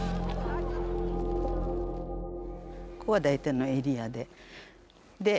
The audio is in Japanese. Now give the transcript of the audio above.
ここは大体のエリアで。